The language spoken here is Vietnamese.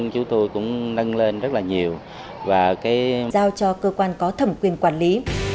chúng tôi cũng nâng lên rất là nhiều và giao cho cơ quan có thẩm quyền quản lý